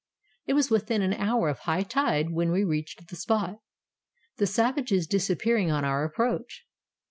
It was within an hour of high tide when we reached the spot, the savages disappearing on our approach.